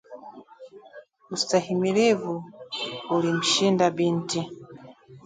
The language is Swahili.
Ustahimilivu ulimshinda binti